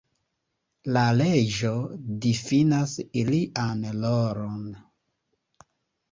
La leĝo difinas ilian rolon.